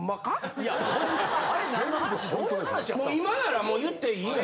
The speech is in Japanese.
今ならもう言っていいのよ。